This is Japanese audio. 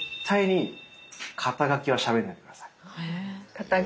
肩書？